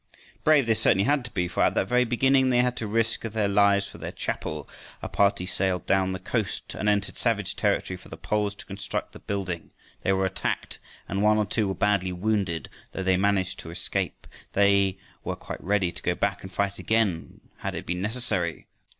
Brave they certainly had to be, for at the very beginning they had to risk their lives for their chapel. A party sailed down the coast and entered savage territory for the poles to construct the building. They were attacked and one or two were badly wounded, though they managed to escape. But they were quite ready to go back and fight again had it been necessary.